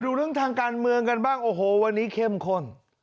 ดูเรื่องทางการเมืองกันบ้างโอ้โหวันนี้เข้มข้น